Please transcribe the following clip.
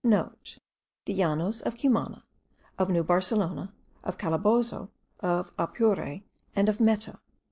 (* The Llanos of Cumana, of New Barcelona, of Calabozo, of Apure, and of Meta.)